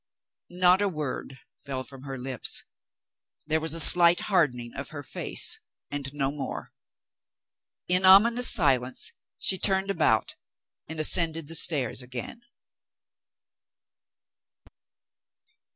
Not a word fell from her lips. There was a slight hardening of her face, and no more. In ominous silence, she turned about and ascended the stairs again.